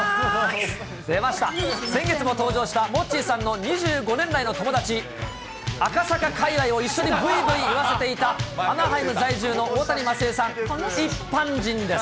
出ました、先月も登場したモッチーさんの２５年来の友達、赤坂界隈を一緒にぶいぶいいわせていた、アナハイム在住の大谷マスエさん、一般人です。